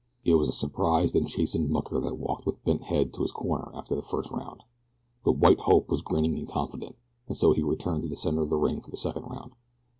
It was a surprised and chastened mucker that walked with bent head to his corner after the first round. The "white hope" was grinning and confident, and so he returned to the center of the ring for the second round.